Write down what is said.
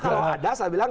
kalau ada saya bilang